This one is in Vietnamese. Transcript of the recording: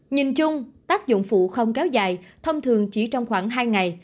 nhìn chung tác dụng phụ không kéo dài thông thường chỉ trong khoảng hai ngày